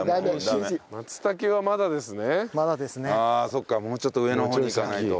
そうかもうちょっと上の方に行かないと。